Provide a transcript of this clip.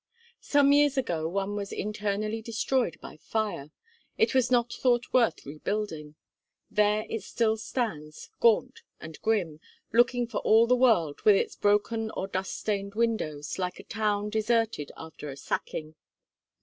Some years ago one was internally destroyed by fire. It was not thought worth rebuilding. There it still stands, gaunt and grim, looking for all the world, with its broken or dust stained windows, like a town deserted after a sacking.